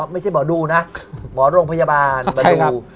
ไม่ใช่หมอดูนะหมอโรงพยาบาลหมอดู